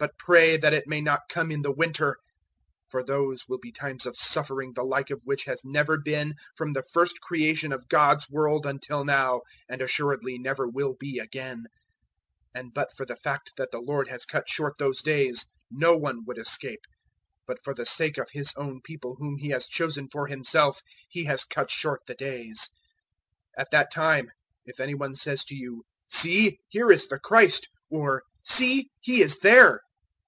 013:018 "But pray that it may not come in the winter. 013:019 For those will be times of suffering the like of which has never been from the first creation of God's world until now, and assuredly never will be again; 013:020 and but for the fact that the Lord has cut short those days, no one would escape; but for the sake of His own People whom He has chosen for Himself He has cut short the days. 013:021 "At that time if any one says to you, 'See, here is the Christ!' or 'See, He is there!'